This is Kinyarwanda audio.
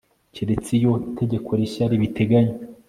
keretse iyo itegeko rishya ribiteganya